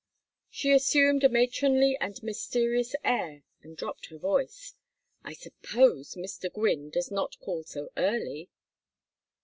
She assumed a matronly and mysterious air and dropped her voice. "I suppose Mr. Gwynne does not call so early?"